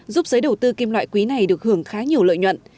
giúp giới đầu tư kim loại quý này được hưởng khá nhiều lợi nhuận